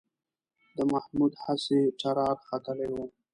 د محمود هسې ټرار ختلی و